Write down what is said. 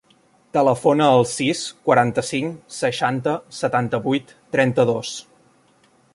Telefona al sis, quaranta-cinc, seixanta, setanta-vuit, trenta-dos.